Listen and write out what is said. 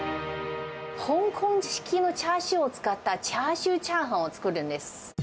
香港式のチャーシューを使った、チャーシューチャーハンを作るんです。